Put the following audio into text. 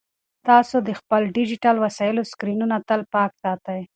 تاسو د خپلو ډیجیټل وسایلو سکرینونه تل پاک ساتئ.